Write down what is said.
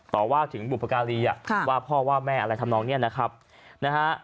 ต่อว่าถึงบุพการีอ่ะว่าพ่อว่าแม่อะไรทำนองเนี่ยนะครับนะฮะ